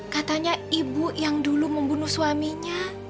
katanya ibu yang dulu membunuh suaminya